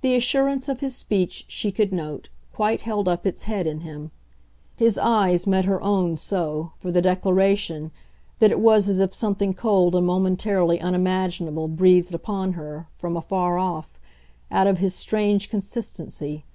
The assurance of his speech, she could note, quite held up its head in him; his eyes met her own so, for the declaration, that it was as if something cold and momentarily unimaginable breathed upon her, from afar off, out of his strange consistency.